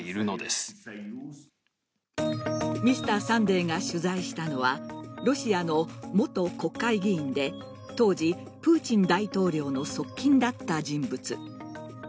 「Ｍｒ．サンデー」が取材したのはロシアの元国会議員で当時プーチン大統領の側近だった人物。